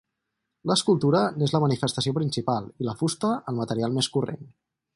L'escultura n'és la manifestació principal i la fusta el material més corrent.